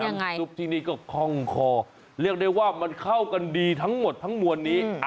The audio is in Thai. ซุปที่นี่ก็คล่องคอเรียกได้ว่ามันเข้ากันดีทั้งหมดทั้งมวลนี้